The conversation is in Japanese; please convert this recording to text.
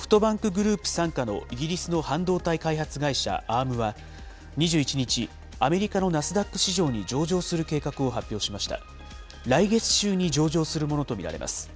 ソフトバンクグループ傘下のイギリスの半導体開発会社、Ａｒｍは、２１日、アメリカのナスダック市場に上場する計画を発表しました。